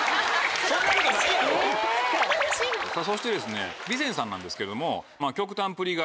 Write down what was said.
そして美扇さんなんですけれども。